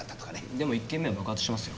でも１件目は爆発してますよ。